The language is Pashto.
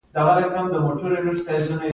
ایا زما کولمې به بندې شي؟